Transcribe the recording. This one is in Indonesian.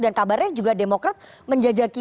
dan kabarnya juga demokra menjajaki